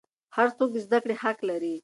هر څوک د زده کړې حق لري.